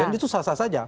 dan itu susah susah saja